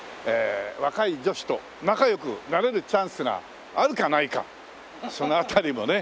若い女子と仲良くなれるチャンスがあるかないかその辺りもね